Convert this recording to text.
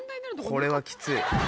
これはきつい。